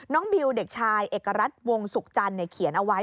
น้องบิ๋วเด็กชายเอกรัฐวงศ์ศูกจรรย์เขียนเอาไว้